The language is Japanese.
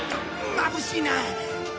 まぶしいな！